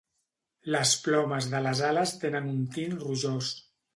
Les plomes de les ales tenen un tint rojós.